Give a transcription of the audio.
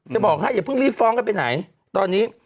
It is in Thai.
บอกให้อย่าเพิ่งรีบฟ้องกันไปไหนตอนนี้